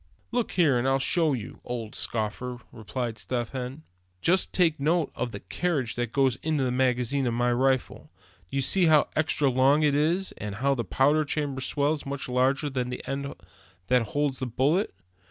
"Looky here, and I'll show you, old scoffer," replied Step Hen. "Just take note of the cartridge that goes in the magazine of my rifle. Do you see how extra long it is, and how the powder chamber swells much larger than the end that holds the bullet?